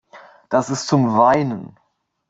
Das ist zum Weinen!